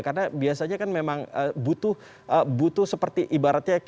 karena biasanya kan memang butuh seperti ibaratnya